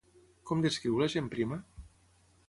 Com descriu la gent prima?